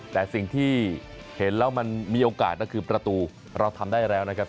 แต่สิ่งที่เห็นแล้วมันมีโอกาสก็คือประตูเราทำได้แล้วนะครับ